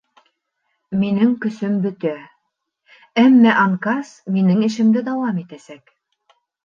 Минең көсөм бөтә, әммә анкас минең эшемде дауам итәсәк.